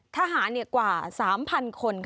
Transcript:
ทหารกว่า๓๐๐คน